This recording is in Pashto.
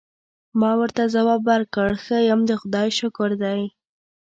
ما ورته ځواب ورکړ: ښه یم، د خدای شکر دی.